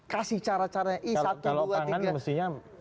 kasih cara cara kalau pangan mestinya